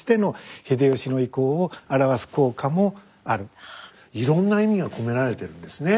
更にいろんな意味が込められてるんですね